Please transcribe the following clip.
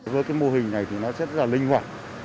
với cái mô hình này thì nó rất là linh hoạt